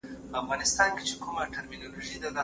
په دغي برخي کي يوازي يوه لاره ده.